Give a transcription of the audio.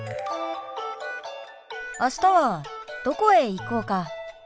あしたはどこへ行こうか？